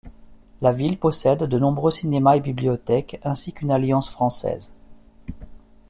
La ville possède de nombreux cinémas et bibliothèques, ainsi qu’une Alliance française.